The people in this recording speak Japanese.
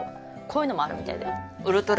こういうのもあるみたいだよ。